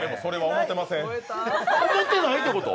思ってないってこと？